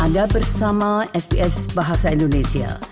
anda bersama sps bahasa indonesia